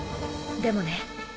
でもね